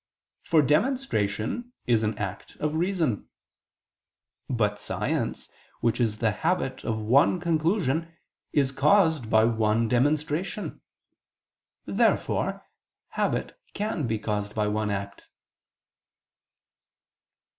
For demonstration is an act of reason. But science, which is the habit of one conclusion, is caused by one demonstration. Therefore habit can be caused by one act.